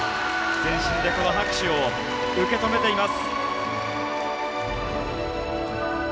全身でこの拍手を受け止めています。